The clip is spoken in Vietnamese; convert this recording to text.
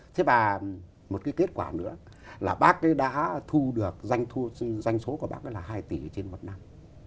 thế và một cái kết quả nữa là bác ấy đã thu được danh số của bác ấy là hai tỷ trên một năm